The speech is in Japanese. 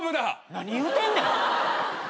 何言うてんねん。